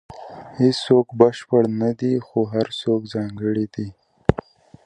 • هیڅوک بشپړ نه دی، خو هر څوک ځانګړی دی.